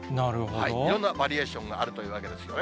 いろんなバリエーションがあるというわけですよね。